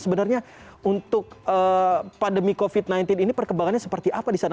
sebenarnya untuk pandemi covid sembilan belas ini perkembangannya seperti apa di sana